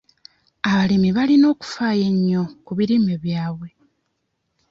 Abalimi balina okufaayo ennyo ku birime byabwe.